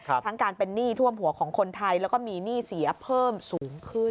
ทั้งการเป็นหนี้ท่วมหัวของคนไทยแล้วก็มีหนี้เสียเพิ่มสูงขึ้น